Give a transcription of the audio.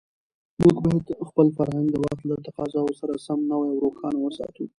موږ باید خپل فرهنګ د وخت له تقاضاوو سره سم نوی او روښانه وساتو.